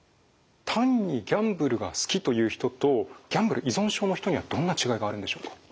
単にギャンブルが好きという人とギャンブル依存症の人にはどんな違いがあるんでしょうか？